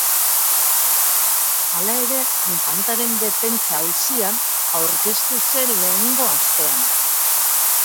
Hala ere, infantaren defentsa auzian aurkeztu zen lehengo astean.